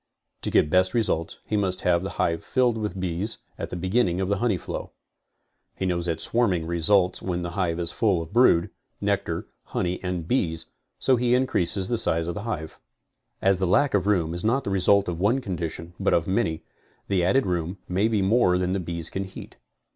To get best results he must have the hive filled with bees at the beginning of the honey flow. He knows that swarming results when the hive is full of brood, nectar, honey and bees, so he increases the size of the hive. As the lack of room is not the result of one condition, but of many, the added room may be more than the bees can heat.